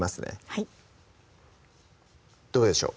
はいどうでしょう？